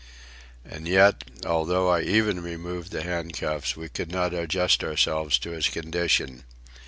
And yet, though I even removed the handcuffs, we could not adjust ourselves to his condition.